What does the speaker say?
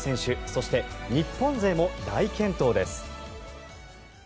そして、日本勢も大健闘です。